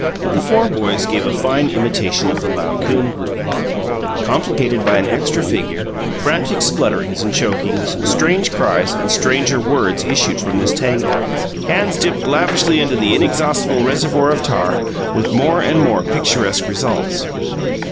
The four boys gave a fine imitation of the Laocoon group complicated by an extra figure frantic splutterings and chokings, strange cries and stranger words issued from this tangle; hands dipped lavishly into the inexhaustible reservoir of tar, with more and more picturesque results.